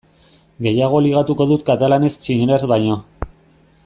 Gehiago ligatuko dut katalanez txineraz baino.